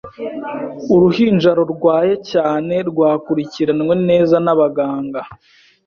Uruhinja rurwaye cyane rwakurikiranwe neza n'abaganga.